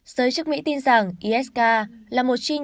giới chức mỹ tin rằng isk là một chi nhánh